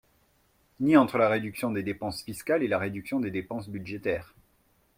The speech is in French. Ni entre la réduction des dépenses fiscales et la réduction des dépenses budgétaires.